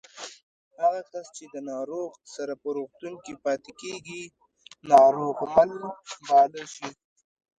هغه کس چې د ناروغ سره په روغتون کې پاتې کېږي ناروغمل باله شي